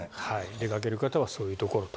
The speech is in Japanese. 出かける方はそういうところと。